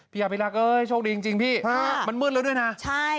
พี่อภิรักษ์โชคดีจริงพี่มันมื้นเลยด้วยนะ